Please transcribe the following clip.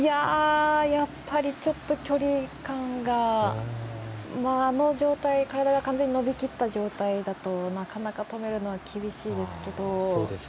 やっぱり、距離感があの状態から完全に伸びきった状態からですとなかなか止めるのは厳しいですけど。